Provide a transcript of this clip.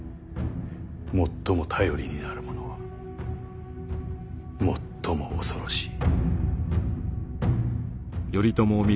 最も頼りになる者は最も恐ろしい。